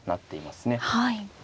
はい。